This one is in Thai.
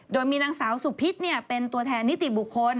โดยมีนางสาวสุพิษเป็นตัวแทนนิติบุคคล